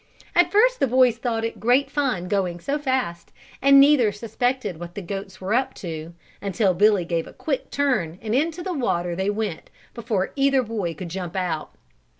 At first the boys thought it great fun going so fast and neither suspected what the goats were up to, until Billy gave a quick turn and into the water they went before either boy could jump out.